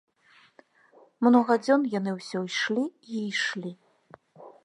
Многа дзён яны ўсё ішлі і ішлі.